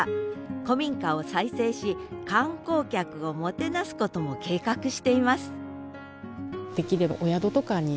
古民家を再生し観光客をもてなすことも計画しています